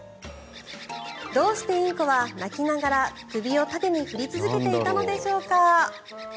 どうしてインコは鳴きながら首を縦に振り続けていたのでしょうか。